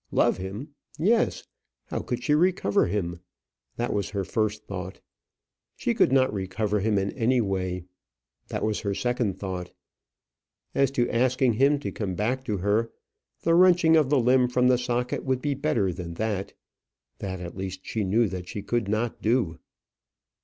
Love him! Yes! How could she recover him? That was her first thought. She could not recover him in any way. That was her second thought. As to asking him to come back to her; the wrenching of the limb from the socket would be better than that. That, at least, she knew she could not do.